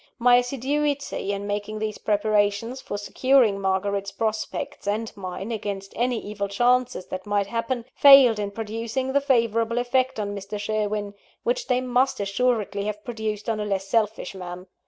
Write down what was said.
My assiduity in making these preparations for securing Margaret's prospects and mine against any evil chances that might happen, failed in producing the favourable effect on Mr. Sherwin, which they must assuredly have produced on a less selfish man.